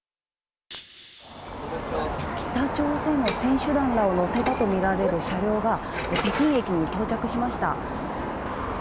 北朝鮮の選手団らを乗せたと見られる車両が、北京駅に到着しました。